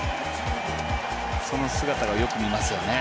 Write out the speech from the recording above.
その姿がよく見ますよね。